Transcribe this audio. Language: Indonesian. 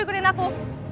aku kangen sama kamu